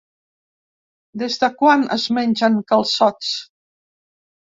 Des de quan es mengen calçots?